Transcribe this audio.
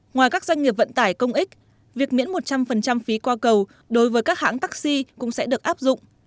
ngoài các doanh nghiệp vận tải công ích việc miễn một trăm linh phí qua cầu đối với các hãng taxi cũng sẽ được áp dụng